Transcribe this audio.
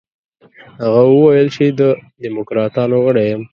هغه وویل چې د دموکراتانو غړی یم.